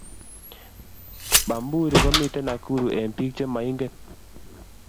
Bamburi komiten nakuru een pik cha maingen.